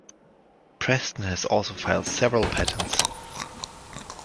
Preston has also filed several patents.